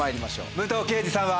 武藤敬司さんは。